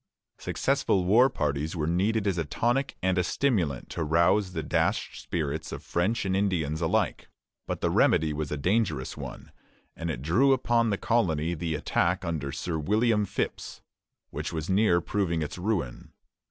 Successful war parties were needed as a tonic and a stimulant to rouse the dashed spirits of French and Indians alike; but the remedy was a dangerous one, and it drew upon the colony the attack under Sir William Phips, which was near proving its ruin.